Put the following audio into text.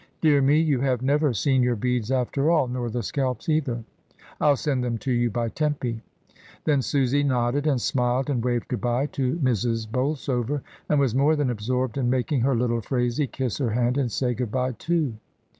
"Dear me, you have never seen your beads after all, nor the scalps either. Fll send them to you by Tempy." Then Susy nodded and smiled and waved good bye to Mrs. Bolsover, and was more than absorbed in making her little Phraisie kiss her hand and say good bye too.